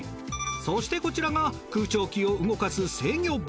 そしてこちらが空調機を動かす制御盤。